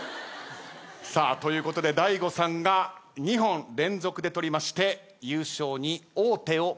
さあということで大悟さんが２本連続で取りまして優勝に王手をかけました。